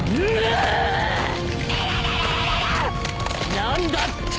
何だってぇ！？